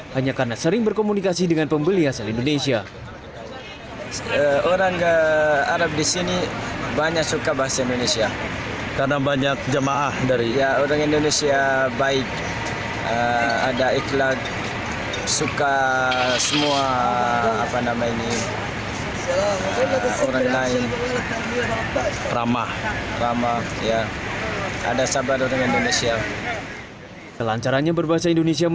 hanya karena sering berkomunikasi dengan pembeli asal indonesia